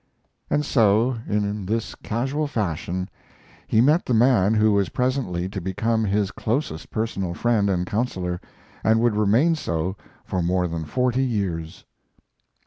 And so, in this casual fashion, he met the man who was presently to become his closest personal friend and counselor, and would remain so for more than forty years.